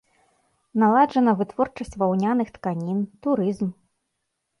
Наладжана вытворчасць ваўняных тканін, турызм.